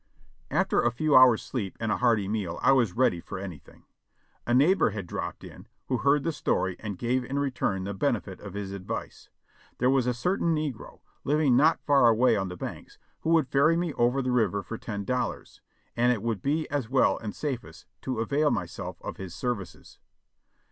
After a few hours' sleep and a hearty meal I was ready for any thing. A neighbor had dropped in, who heard the story and gave in return the benefit of his advice. There was a certain negro, living not far away on the banks, who would ferry me over the river for ten dollars, and it would be as well and safest to avail myself of his services.